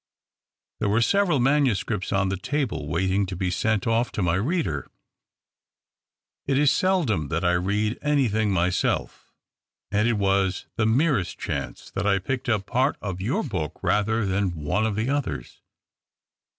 There were several manuscripts on the table waiting to be sent oft' to my reader — it is seldom that I read anything myself, and it was the merest chance that I picked up part of your book rather than one of the others.